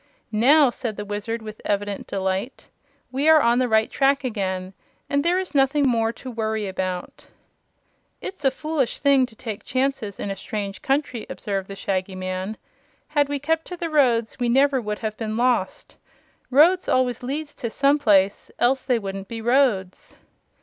"Now," said the Wizard, with evident delight, "we are on the right track again, and there is nothing more to worry about." "It's a foolish thing to take chances in a strange country," observed the Shaggy Man. "Had we kept to the roads we never would have been lost. Roads always lead to some place, else they wouldn't be roads."